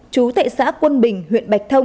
chú tại xã quân bình huyện bạch thông